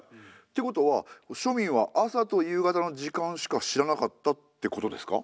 てことは庶民は朝と夕方の時間しか知らなかったってことですか？